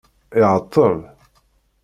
Iɛeṭṭel.